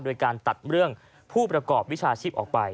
โดยการตัดเรื่องผู้ประกอบวิชาชีพออกไป